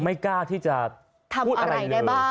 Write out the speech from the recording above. ไม่กล้าที่จะพูดอะไรเลย